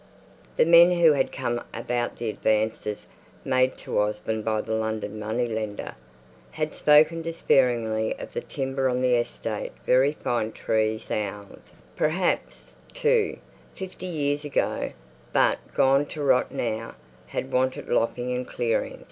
The men who had come about the advances made to Osborne by the London money lender, had spoken disparagingly of the timber on the estate "Very fine trees sound, perhaps, too, fifty years ago, but gone to rot now; had wanted lopping and clearing.